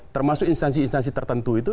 termasuk instansi instansi tertentu itu